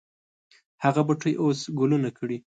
هغه بوټی اوس ګلونه کړي